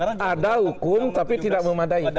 tidak ada hukum tapi tidak memadai